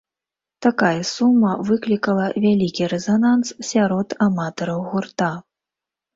Такая сума выклікала вялікі рэзананс сярод аматараў гурта.